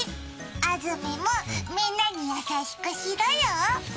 安住もみんなに優しくしろよ。